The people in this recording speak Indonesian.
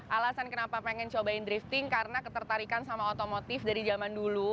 alasan kenapa ingin mencoba drifting adalah karena ketertarikan dengan otomotif dari zaman dulu